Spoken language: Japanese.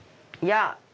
いや。